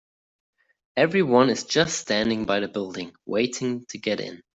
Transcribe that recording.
Everyone is just standing by the building, waiting to get in.